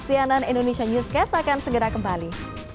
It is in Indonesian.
cnn indonesia newscast akan segera kembali